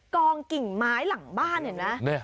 กองกิ่งไม้หลังบ้านเห็นไหม